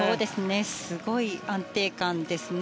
すごい安定感ですね。